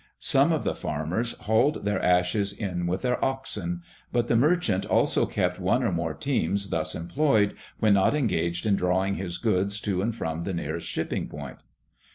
Some of the farmers hauled their ashes in with their oxen; but the merchant also kept one or more teams thus employed, when not engaged in drawing his goods to and from the nearest shipping point.